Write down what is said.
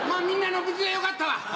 みんな無事でよかったわ。